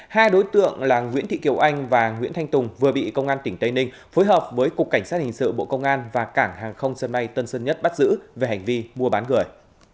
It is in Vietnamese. hai đối tượng là nguyễn thị kiều anh và nguyễn thanh tùng vừa bị công an tỉnh tây ninh phối hợp với cục cảnh sát hình sự bộ công an và cảng hàng không sân bay tân sơn nhất bắt giữ về hành vi mua bán người